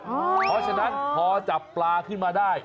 เพราะฉะนั้นพอจับปลาขึ้นมาได้